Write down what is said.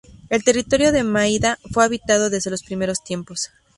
El territorio de Maida fue habitado desde los primeros tiempos.